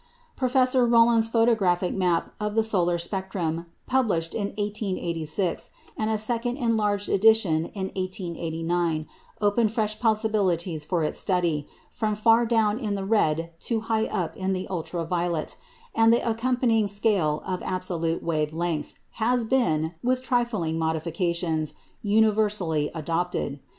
Professor Rowland's photographic map of the solar spectrum, published in 1886, and in a second enlarged edition in 1889, opened fresh possibilities for its study, from far down in the red to high up in the ultra violet, and the accompanying scale of absolute wave lengths has been, with trifling modifications, universally adopted.